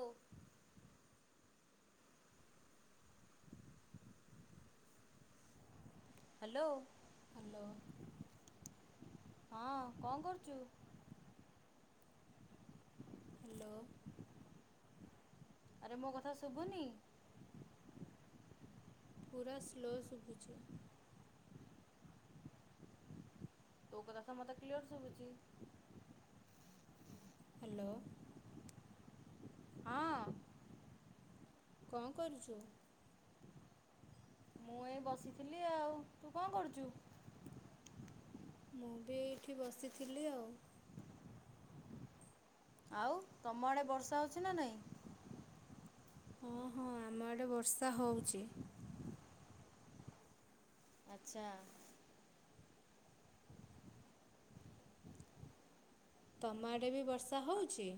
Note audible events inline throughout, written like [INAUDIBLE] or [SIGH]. ଓ hello. Hello. ହଁ କଣ କରୁଚୁ? ହଲୋ। ଆରେ ମୋ କଥା ଶୁଭୁନି? ପୁରା ସ୍ଲୋ ଶୁଭୁଚି। ତୋ କଥା ତ ମତେ କ୍ଲିୟର ଶୁଭୁଚି। ହାଲୋ। ହଁ। କଣ କରୁଚୁ? ମୁଁ ଏଇ ବସିଥିଲି ଆଉ ତୁ କଣ କରୁଚୁ? ମୁଁ ବି ଏଇଠି ବସିଥିଲି ଆଉ। ଆଉ ତମ ଆଡ଼େ ବର୍ଷା ହୋଉଚି ନା ନାଇଁ? ହଁ ହଁ ଆମ ଆଡେ ବର୍ଷା ହୋଉଚି। ଆଚ୍ଛା। ତମ ଆଡ଼େ ବି ବର୍ଷା ହୋଉଛି?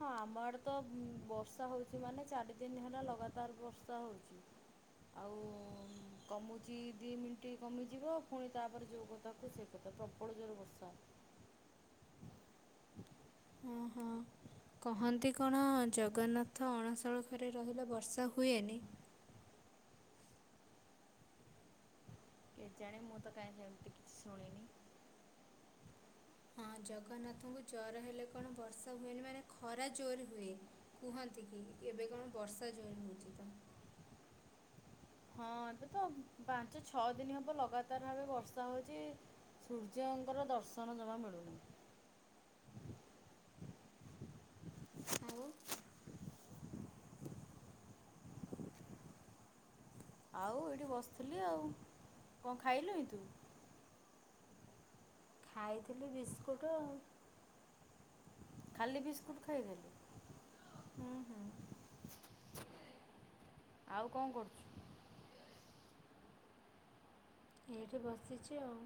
ହଁ ଆମ ଆଡେ ତ ଉଁ ବର୍ଷା ହୋଉଚି ମାନେ ଚାରି ଦିନ ହେଲା ଲଗାତାର ବର୍ଷା ହୋଉଚି। ଆଉ କମୁଚି ଦିଇ ମିନଟି କମିଯିବ ଫୁଣି ତାପରେ ଯୋଉ କଥାକୁ ସେଇ କଥା ପ୍ରବଳ ଜୋରେ ବର୍ଷା। ହଁ ହଁ [INAUDIBLE] କହନ୍ତି କଣ ଜଗନ୍ନାଥ ଅଣାସଳଖରେ ରହିଲେ ବର୍ଷା ହୁଏନି। କେଜାଣି ମୁଁ ତ କାଇଁ ସେମିତି କିଛି ଶୁଣିନି। ହଁ ଜଗନ୍ନାଥଙ୍କୁ ଜର ହେଲେ କଣ ବର୍ଷା ହୁଏନି ମାନେ ଖରା ଜୋରେ ହୁଏ। କୁହନ୍ତି କି ଏବେ କଣ ବର୍ଷା ଜୋର ହଉଛି ତ ହଁ ଏବେ ତ ପାଞ୍ଚ ଛଅ ଦିନ ହବ ଲଗାତାର ଭାବେ ବର୍ଷା ହଉଛି। ସୂର୍ଯ୍ୟଙ୍କର ଦର୍ଶନ ଜମା ମିଳୁନି। ଆଉ। ଆଉ ଏଇଠି ବସିଥିଲି ଆଉ। କଣ ଖାଇଲୁଣିି ତୁ? ଖାଇଥିଲି ବିସ୍କୁଟ୍ ଆଉ। ଖାଲି ବିସ୍କୁଟ୍ ଖାଇଦେଲୁ? ହୁଁ ହୁଁ। ଆଉ କଣ କରୁଛୁ? ଏଇଠି ବସିଛି ଆଉ।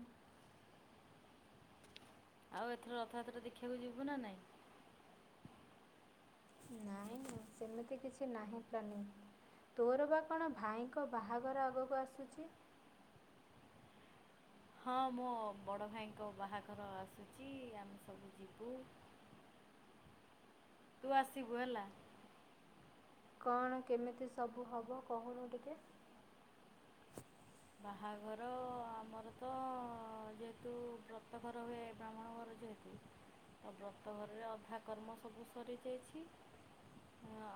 ଆଉ ଏଥର ରଥଯାତ୍ରା ଦେଖିବାକୁ ଯିବୁ ନା ନାଇଁ? ନାଇଁ ନାାଇଁ ସେମିତି କିଛି ନାହିଁ ପ୍ଲାନିଂ। ତୋର ବା କଣ ଭାଇଙ୍କ ବାହାଘର ଆଗକୁ ଆସୁଛି? ହଁ ମୋ ବଡ଼ ଭାଇଙ୍କ ବାହାଘର ଆସୁଛି ଆମେ ସବୁ ଯିବୁ। ତୁ ଆସିବୁ ହେଲା। କଣ, କେମିତି ସବୁ ହବ କହୁନୁ ଟିକେ। ବାହାଘର ଆମର ତ ଯେହେତୁ ବ୍ରତଘର ହୁଏ ବ୍ରାହ୍ମଣ ଘର ଯେହେତୁ ବ୍ରତଘର ରେ ଅଧା କର୍ମ ସବୁ ସରିଯାଇଛି।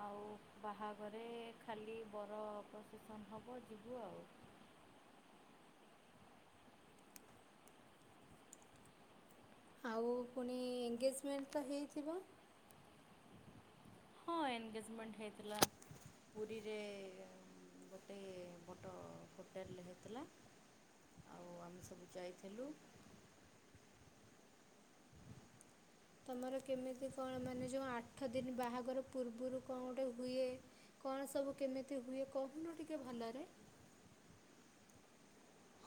ଆଉ ବାହାଘରେ ଖାଲି ବର ପ୍ରସେସନ୍ ହବ ଯିବୁ ଆଉ। ଆଉ ଫୁଣି ଏଙ୍ଗେଜମେଣ୍ଟ ତ ହେଇଥିବ? ହଁ, ଏନ୍ଗେଜମେଣ୍ଟ ହେଇଥିଲା ପୁରୀରେ ଗୋଟେ ବଡ଼ ହୋଟେଲ୍ ରେ ହେଇଥିଲା। ଆଉ ଆମେ ସବୁ ଯାଇଥିଲୁ। ତମର କେମିତି କଣ? ମାନେ ଯେଉଁ ଆଠ ଦିନ ବାହାଘର ପୂର୍ବରୁ କଣ ଗୋଟେ ହୁଏ? କଣ ସବୁ କେମିତି ହୁଏ? କହୁନୁ ଟିକେ ଭଲରେ।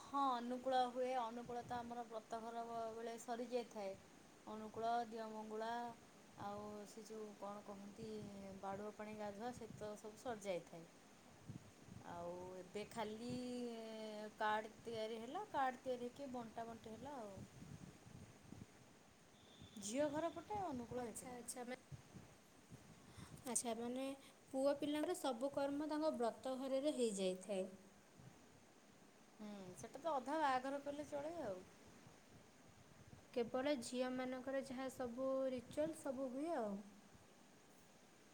ହଁ ଅନୁକୂଳ ହୁଏ। ଅନୁକୂଳ ତ ଆମର ବ୍ରତ ଘର ବେଳେ ସରିଯାଇଥାଏ। ଅନୁକୁଳ ଦିଅଁମଙ୍ଗୁଳା ଆଉ ସେ ଯୋଉ କଣ କହନ୍ତି, ବାଡ଼ୁଅ ପାଣି ଗାଧୁଆ ସେ ତ ସବୁ ସରିଯାଇଥାଏ। ଆଉ ଏବେ ଖାଲି କାର୍ଡ ତିଆରି ହେଲା, କାର୍ଡ ତିଆରି ହେଇକି ବଣ୍ଟା ବଣ୍ଟି ହେଲା ଆଉ। ଝିଅ ଘର ପଟ ଆଚ୍ଛା ଆଚ୍ଛା। ମା ହ [INAUDIBLE] ଆଚ୍ଛା, ମାନେ ପୁଅ ପିଲାଙ୍କର ସବୁ କର୍ମ ତାଙ୍କ ବ୍ରତ ଘରରେ ହେଇଯାଇଥାଏ। ସେଟା ତ ଅଧା ବାହାଘର କହିଲେ ଚଳେ ଆଉ। କେବଳ ଝିଅମାନଙ୍କର ଯାହା ସବୁ ରିଚୁଆଲ୍ ସବୁ ହୁଏ ଆଉ।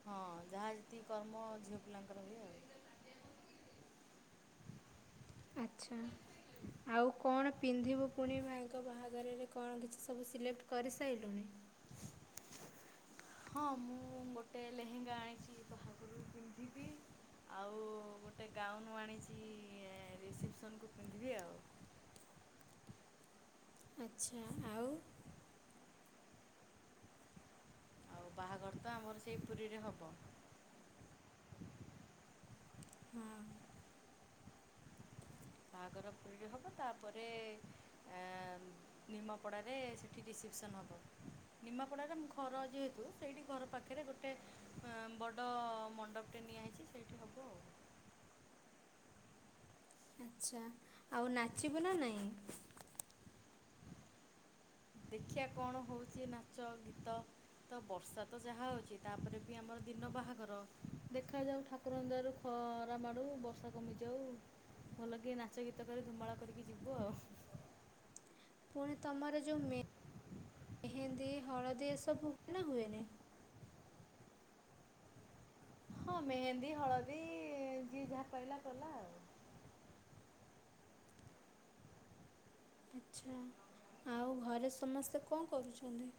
ହଁ, ଯାହା ଯେତିକି କର୍ମ ଝିଅ ପିଲାଙ୍କର ହୁଏ ଆଉ। ଆଚ୍ଛା। ଆଉ କଣ ପିନ୍ଧିବୁ ପୁଣି ଭାଇଙ୍କ ବାହାଘରରେ, କଣ କିଛି ସବୁ ସିଲେକ୍ଟ କରିସାରିଲୁଣି? ହଁ, ମୁଁ ଗୋଟେ ଲେହେଙ୍ଗା ଆଣିଛି ବାହାଘରୁ ପିନ୍ଧିବି। ଆଉ ଗୋଟେ ଗାଉନ୍ ଆଣିଛି, ରିସେପସନ୍ କୁ ପିନ୍ଧିବି ଆଉ। ଆଚ୍ଛା ଆଉ। ଆଉ ବାହାଘର ତ ଆମର ସେଇ ପୁରୀରେ ହବ। ହଁ। ବାହାଘର ପୁରୀରେ ହେବ, ତାପରେ ଆ ନିମାପଡ଼ାରେ ସେଠି ରିସେପ୍ସନ ହବ। ନିମାପଡ଼ାରେ ଘର ଯେହେତୁ ସେଇଠି ଘର ପାଖରେ ଗୋଟେ ଗୋଟେ ହଁ ବଡ଼ ମଣ୍ଡପଟେ ନିଆ ହେଇଛି ସେଇଠି ହବ ଆଉ। ଆଚ୍ଛା। ଆଉ ନାଚିବୁ ନା ନାଇଁ? ଦେଖିଆ କଣ ହଉଛି, ନାଚ, ଗୀତ ତ ବର୍ଷା ତ ଯାହା ହଉଛି ତାପରେ ବି ଆମର ଦିନ ବାହାଘର ଦେଖାଯାଉ ଠାକୁ। ଠାକୁରଙ୍କ ଦୟାରୁ ଖରା ମାଡୁ ବର୍ଷା କମିଯାଉ। ଭଲ କି ନାଚ ଗୀତ କରି ଧୁମାଳ କରିକି ଯିବୁ ଆଉ। ପୁଣି ତମର ଯେଉଁ ମେହେନ୍ଦୀ ହଳଦୀ ଏସବୁ ହୁଏ ନା ହୁଏନି। ହଁ ମେହେନ୍ଦୀ ହଳଦୀ ଯିଏ ଯାହା ପାଇଲା କଲା ଆଉ। ଆଚ୍ଛା ଆଉ ଘରେ ସମସ୍ତେ କଣ କରୁଛନ୍ତି।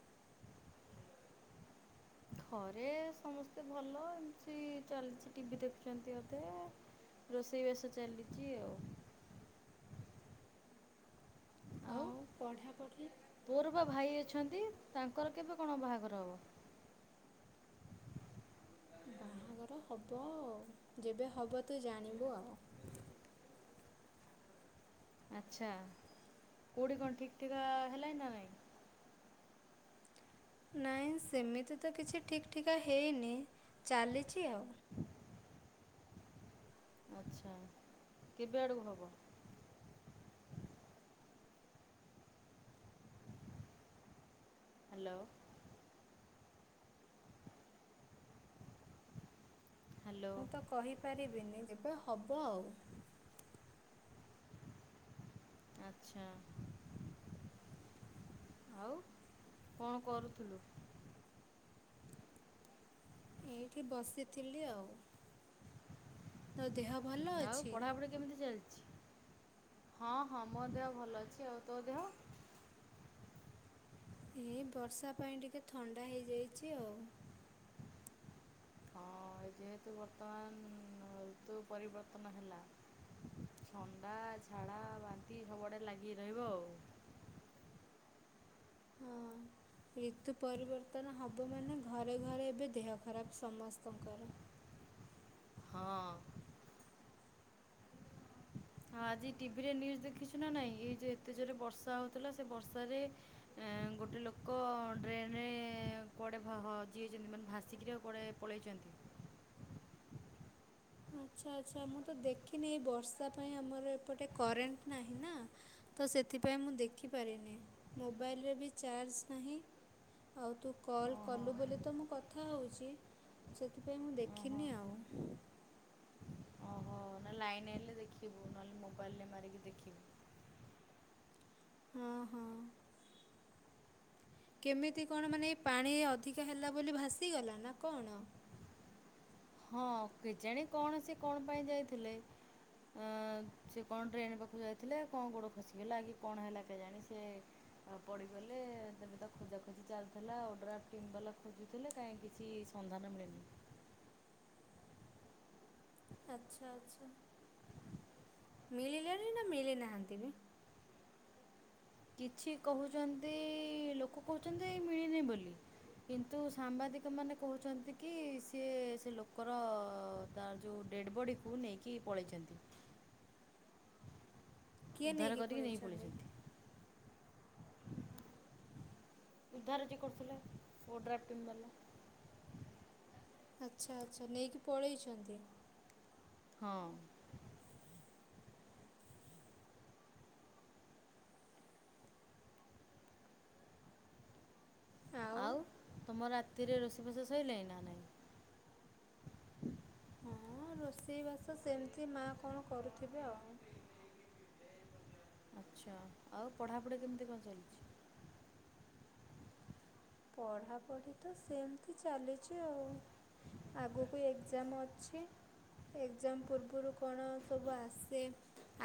ଘରେ ସମସ୍ତେ ଭଲ ଏମିତି ଚାଲିଛି ଟିଭିି ଦେଖୁଛନ୍ତି ଅଧେ। ରୋଷେଇ ବାସ ଚାଲିଛି ଆଉ। ଆଉ ପଢ଼ାପଢ଼ି। ତୋର ବା ଭାଇ ଅଛନ୍ତି ତାଙ୍କର କେବେ କଣ ବାହାଘର ହବ। ବାହାଘର ହବ ଆଉ ଯେବେ ହେବ ତୁ ଜାଣିବୁ ଆଉ। ଆଚ୍ଛା କେଉଁଠି କଣ ଠିକ୍ ଠିକ ହେଲାଣି ନା ନାଇଁ। ନାଇଁ ସେମିତି ତ କିଛି ଠିକ୍ ଠିକା ହେଇନି ଚାଲିଛି ଆଉ। ମୁଁ ଆଚ୍ଛା କେବେ ଆଡ଼କୁ ହେବ। ହ୍ୟାଲୋ। ହ୍ୟାଲୋ। ମୁଁ ତ କହିପାରିବିନି ଯେବେ ହବ ଆଉ। ଆଚ୍ଛା ଆଉ କଣ କରୁଥିଲୁ। ଏଇଠି ବସିଥିଲି ଆଉ ତୋ ଦେହ ଭଲ ଆଉ ଅଛି। ପଢ଼ାପଢ଼ି କେମିତି ଚାଲିଛି ହଁ ହଁ ମୋ ଦେହ ଭଲ ଅଛି ଆଉ ତୋ ଦେହ। ଏଇ ବର୍ଷା ପାଇଁ ଟିକେ ଥଣ୍ଡା ହେଇଯାଇଛି ଆଉ। ହଁ ଯେହେତୁ ବର୍ତ୍ତମାନ ଋତୁ ପରିବର୍ତ୍ତନ ହେଲା। ଥଣ୍ଡା, ଝାଡ଼ା, ବାନ୍ତି ସବୁଆଡ଼େ ଲାଗିକି ରହିବ ଆଉ। ହଁ [INAUDIBLE] ଋତୁ ପରିବର୍ତ୍ତନ ହେବ ମାନେ ଘରେ ଘରେ ଏବେ ଦେହ ଖରାପ ସମସ୍ତଙ୍କର। ହଁ। ହଁ ଆଜି ଟିଭିରେ ନ୍ୟୁଜ୍ ଦେଖିଛୁ ନା ନହିଁ ଏଇ ଯେଉଁ ଏତେ ଜୋରେ ବର୍ଷା ହେଉଥିଲା ସେ ବର୍ଷାରେ। ଗୋଟେ ଲୋକ ଡ୍ରେନରେ କୁଆଡ଼େ ହ ହଜିଯାଇଛନ୍ତି ମାନେ ଭାସିକିନା କୁଆଡ଼େ। ପଲେଇଛନ୍ତି। ଆଚ୍ଛା ଆଚ୍ଛା ମୁଁ ତ ଦେଖିନି ଏଇ ବର୍ଷା ପାଇଁ ଆମର ଏପଟେ କରେଣ୍ଟ ନାହିଁ ନା। ତ ସେଥିପାଇଁ ମୁଁ ଦେଖିପାରିନି ମୋବାଇଲରେ ବି ଚାର୍ଜ ନାହିଁ। ଆଉ ତୁ କଲ୍ ଓହୋ। କଲୁ ବୋଲି ତ ମୁଁ କଥା ହେଉଛି। ସେଥିପାଇଁ ମୁଁ ଓହୋ ଦେଖିନି ଆଉ। ଓହୋ ନା ଲାଇନ ଆଇଲେ। ଦେଖିବୁ ନହେଲେ ମୋବାଇଲରେ ମାରିକି ଦେଖିବୁ। ହଁ ହଁ। କେମିତି କଣ ମାନେ ଏଇ ପାଣି ଅଧିକା ହେଲା ବୋଲି ଭାସିଗଲା ନା କଣ। ହଁ କେଜାଣି କଣ ସେ କଣ ପାଇଁ ଯାଇଥିଲେ। ଅ ସେ କଣ ଡ୍ରେନ୍ ପାଖକୁ ଯାଇଥିଲେ କଣ ଗୋଡ ଖସିଗଲା କି କଣ ହେଲା କେଜାଣି ସେ। ଆଉ ପଡିଗଲେ ତବେ ତ ଖୋଜା ଖୋଜି ଚାଲିଥିଲା ଆଉ ଓଡ୍ରାଫ୍ ଟିମ୍ ବୋଲି। ଥିଲେ କାହିଁ କିଛି ସନ୍ଧାନ ମିଳିନି। ଆଚ୍ଛା ଆଚ୍ଛା ମିଳିଲାଣି ନା ମିଳି ନାହାନ୍ତି ବି। କିଛି କହୁଛନ୍ତି ଲୋକ କହୁଛନ୍ତି ଏ ମିଳିନି ବୋଲି। କିନ୍ତୁ ସାମ୍ବାଦିକ ମାନେ କହୁଛନ୍ତି କି ସିଏ ସେ ଲୋକର। ତାର ଯୋଉ ଡେଡ଼୍ ବଡ଼ିକୁ ନେଇକି ପଳାଇଛନ୍ତି। କିଏ ଉଦ୍ଧାର ନେଇକି କରିକି ନେଇ ପଳେଇଛନ୍ତି। ଉଦ୍ଧାର ଯିଏ କରୁଥିଲେ ଓଡ୍ରାଫ୍ ଟିମ୍ ବାଲା। ଆଚ୍ଛା ଆଚ୍ଛା ନେଇକି ପଳେଇଛନ୍ତି। ହଁ। ଆଉ ତମର ରାତିରେ ରୋଷେଇ ବାସ ଶଇଲାଣି ନା ନାହିଁ। ହଁ ରୋଷେଇବାସ ସେମିତି ମା କଣ କରୁଥିବେ ଆଉ। ଆଚ୍ଛା ଆଉ ପଢ଼ାପଢ଼ି କେମିତି କଣ ଚାଲିଛି? ପଢ଼ାପଢ଼ି ତ ସେମିତି ଚାଲିଛି ଆଉ। ଆଗକୁ ଏକଜାମ ଅଛି। ଏକଜାମ ପୂର୍ବରୁ କଣ ସବୁ ଆସେ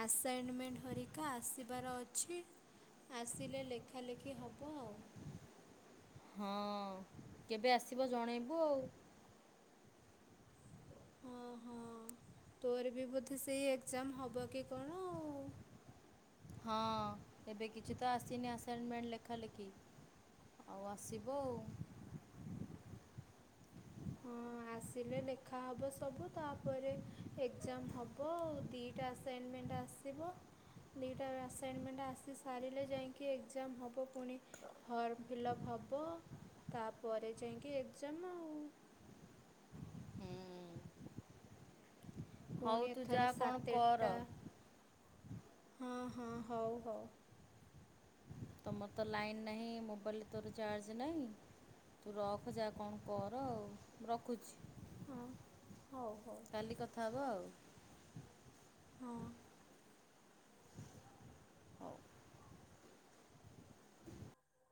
ଆସାଇନମେଣ୍ଟ ହରିକା ଆସିବାର ଅଛି। ଆସିଲେ ଲେଖାଲେଖି ହବ ଆଉ। ହଁ କେବେ ଆସିବ ଜଣେଇବୁ ଆଉ। ହଁ ହଁ ତୋର ବି ବୋଧେ ସେଇ ଏକଜାମ ହବ କି କଣ। ଆଉ। ହଁ ଏବେ କିଛି ତ ଆସିନି ଆସାଇନମେଣ୍ଟ ଲେଖା ଲେଖି। ଆଉ ଆସିବ ଆଉ। ହଁ ଆସିଲେ ଲେଖା ହବ ସବୁ ତାପରେ ଏଜାମ ହବ ଆଉ ଦିଟା ଆସାଇନମେଣ୍ଟ ଆସିବ। ଦୁଇଟା ଆସାଇନମେଣ୍ଟ ଆସି ସାରିଲେ ଯାଇକି ଏକଜାମ ହେବ ପୁଣି। ଫର୍ମ ଫିଲ୍ଅପ୍ ହବ ତାପରେ ଯାଇକି ଏକଜାମ ଆଉ। ହୁଁ। ହଉ ପୁଣି ତୁ ଯା ଏଥର କଣ ସାତଟା କର ହଁ ହଁ ହଉ ହଉ। ତମର ତ ଲାଇନ୍ ନାହିଁ ମୋବାଇଲରେ ତୋର ଚାର୍ଜ ନାହିଁ। ତୁ ରଖୁ ଯା କଣ କର ଆଉ ରଖୁଛି। ହଁ ହଉ ହଉ। କାଲି କଥା ହେବ ଆଉ। ହଁ ହଉ।